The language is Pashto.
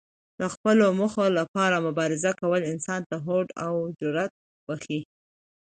د خپلو موخو لپاره مبارزه کول انسان ته هوډ او جرات بښي.